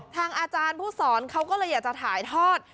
ทางอาจารย์ผู้สอนเขาก็เลยอยากจะถ่ายทอด